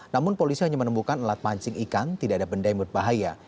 namun polisi hanya menemukan alat mancing ikan tidak ada benda yang berbahaya